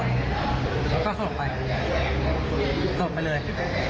แล้วก็สลบไปสลบไปเลย